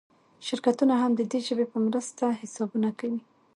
شرکتونه هم د دې ژبې په مرسته حسابونه کول.